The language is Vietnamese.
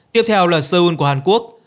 tiếp theo là seoul của hàn quốc